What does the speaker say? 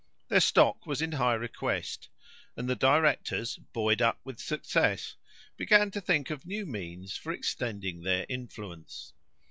Their stock was in high request, and the directors, buoyed up with success, began to think of new means for extending their influence.